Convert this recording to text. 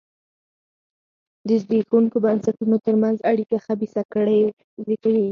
د زبېښونکو بنسټونو ترمنځ اړیکه خبیثه کړۍ زېږوي.